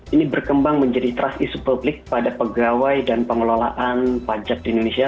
ini berkembang menjadi trust isu publik pada pegawai dan pengelolaan pajak di indonesia